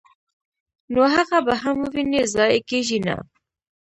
نو هغه به هم وويني، ضائع کيږي نه!!.